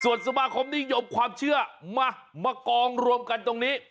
ส่วนสมาคมนิยมความเชื่อมามากองรวมกันตรงนี้